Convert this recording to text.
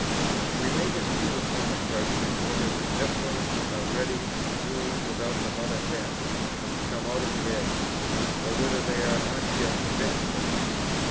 We may dispute upon the question whether the nestlings are ready to do without the mother hen and to come out of the eggs, or whether they are not yet advanced enough.